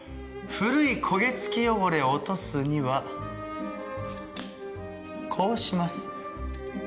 古い焦げつき汚れを落とすにはこうします。